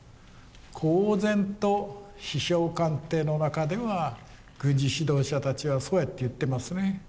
公然と首相官邸の中では軍事指導者たちはそうやって言ってますね。